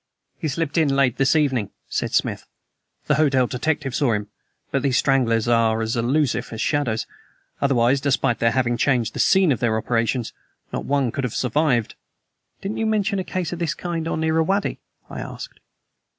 "He slipped in late this evening," said Smith. "The hotel detective saw him, but these stranglers are as elusive as shadows, otherwise, despite their having changed the scene of their operations, not one could have survived." "Didn't you mention a case of this kind on the Irrawaddy?" I asked.